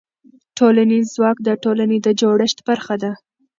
ټولنیز ځواک د ټولنې د جوړښت برخه ده.